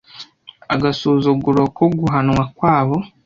agasuzuguro ko guhanwa kwabo